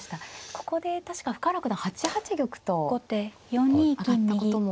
ここで確か深浦九段８八玉と上がったことも。